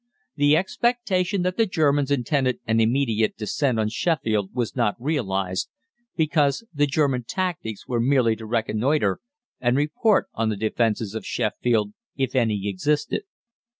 "The expectation that the Germans intended an immediate descent on Sheffield was not realised, because the German tactics were merely to reconnoitre and report on the defences of Sheffield, if any existed.